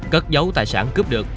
cất giấu tài sản cướp được